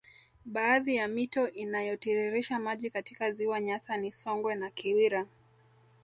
Baadhi ya mito inayotiririsha maji katika ziwa Nyasa ni Songwe na Kiwira